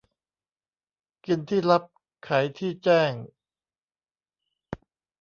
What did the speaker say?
กินที่ลับไขที่แจ้ง